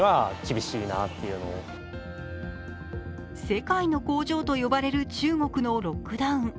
世界の工場と呼ばれる中国のロックダウン。